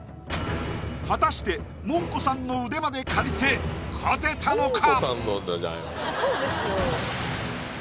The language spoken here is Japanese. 果たしてもんこさんの腕まで借りて勝てたのか？